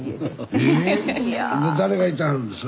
ええ？で誰がいてはるんですか？